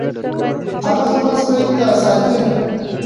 هغه خپل سپی ساتي